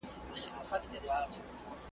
په عمر کشر، په عقل مشر `